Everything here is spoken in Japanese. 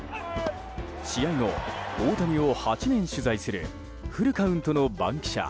試合後、大谷を８年取材する「フルカウント」の番記者